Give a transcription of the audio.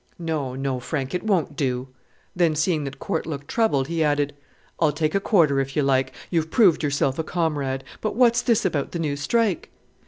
"No, no, Frank, it won't do." Then, seeing that Corte looked troubled, he added, "I'll take a quarter if you like; you've proved yourself a comrade. But what's this about the new strike?"